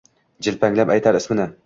Jilpanglab aytar ismini